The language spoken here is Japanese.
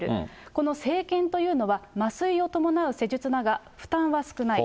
この生検というのは、麻酔を伴う施術だが、負担は少ない。